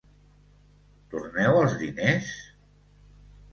Torneu els diners?